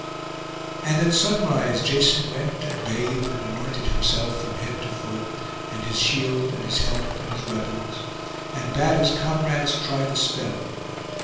And at sunrise Jason went and bathed, and anointed himself from head to foot, and his shield, and his helmet, and his weapons, and bade his comrades try the spell.